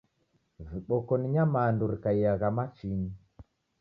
Viboko ni nyamandu rikaiyagha machinyi